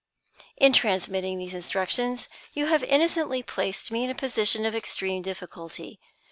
"In transmitting these instructions, you have innocently placed me in a position of extreme difficulty.